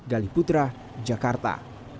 gali putra jakarta